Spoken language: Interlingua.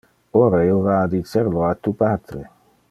Ora io va a dicer lo a tu patre!